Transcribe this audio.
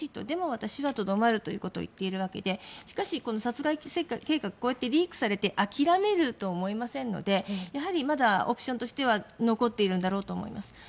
でも私はとどまると言っているわけでしかし、この殺害計画はリークされて諦めると思いませんのでやはりまだオプションとしては残っているんだと思います。